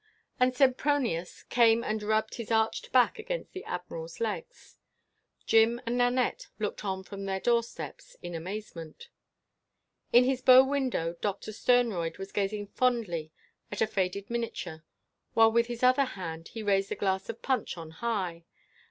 And Sempronius came and rubbed his arched back against the Admiral's legs. Jim and Nanette looked on from their door steps in amazement. In his bow window Doctor Sternroyd was gazing fondly at a faded miniature, while with his other hand he raised a glass of punch on high.